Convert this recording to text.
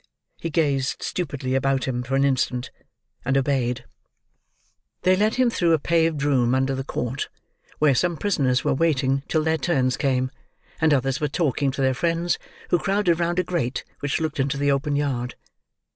He gazed stupidly about him for an instant, and obeyed. They led him through a paved room under the court, where some prisoners were waiting till their turns came, and others were talking to their friends, who crowded round a grate which looked into the open yard.